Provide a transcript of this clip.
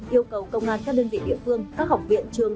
yêu cầu công an các đơn vị địa phương các học viện trường